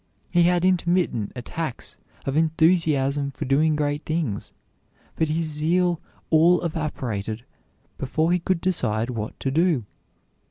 He had intermittent attacks of enthusiasm for doing great things, but his zeal all evaporated before he could decide what to do.